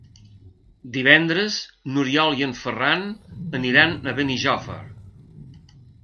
Divendres n'Oriol i en Ferran aniran a Benijòfar.